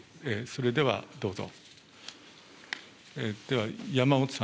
それではどうぞ。